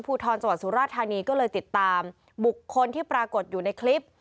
ภูทรจังหวัดสุราธานีก็เลยติดตามบุคคลที่ปรากฏอยู่ในคลิป